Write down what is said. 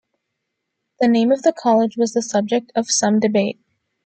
The name of the college was the subject of some debate.